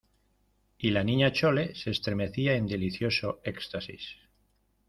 y la Niña Chole se estremecía en delicioso éxtasis